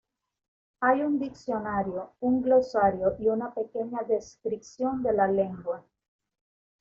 Hay un diccionario, un glosario y una pequeña descripción de la lengua.